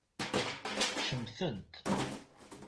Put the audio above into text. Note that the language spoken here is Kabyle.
Cemtent.